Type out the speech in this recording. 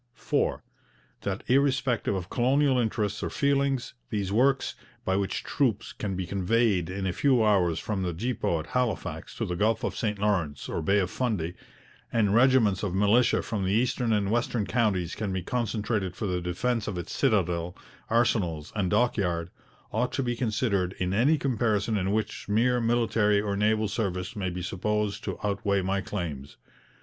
'4. That, irrespective of colonial interests or feelings, these works, by which troops can be conveyed in a few hours from the depot at Halifax to the Gulf of St Lawrence or Bay of Fundy, and regiments of militia from the eastern and western counties can be concentrated for the defence of its citadel, arsenals, and dockyard, ought to be considered in any comparison in which mere military or naval service may be supposed to outweigh my claims.